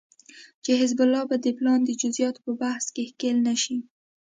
چې حزب الله به د پلان د جزياتو په بحث کې ښکېل نشي